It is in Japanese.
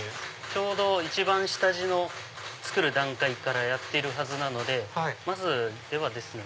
ちょうど一番下地の作る段階からやってるはずなのでまずではですね